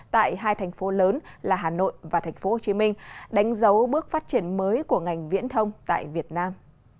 tại hai thành phố lớn là hà nội và tp hcm đánh dấu bước phát triển mới của ngành viễn thông tại việt nam